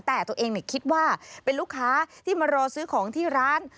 แต่ตัวเองคิดว่าเป็นลูกค้าที่มารอซื้อของที่ร้าน